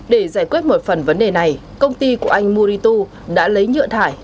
để giải quyết một phần vấn đề này công ty của anh murito đã lấy nhựa thải